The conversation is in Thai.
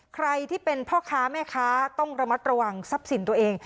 ใครที่เป็นพ่อค้าแม่ค้าต้องระมัดระวังทรัพย์สินตัวเอง